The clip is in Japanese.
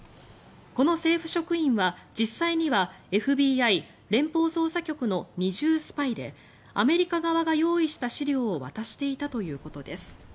この政府職員は実際にはＦＢＩ・連邦捜査局の二重スパイでアメリカ側が用意した資料を渡していたということです。